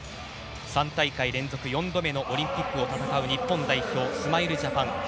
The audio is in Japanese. ３大会連続４度目のオリンピックを戦う日本代表スマイルジャパン